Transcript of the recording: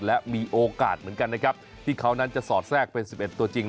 และมีโอกาสเหมือนกันนะครับที่เขานั้นจะสอดแทรกเป็น๑๑ตัวจริง